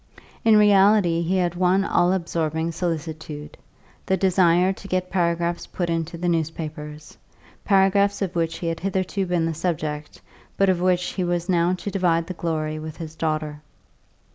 In reality he had one all absorbing solicitude the desire to get paragraphs put into the newspapers, paragraphs of which he had hitherto been the subject, but of which he was now to divide the glory with his daughter.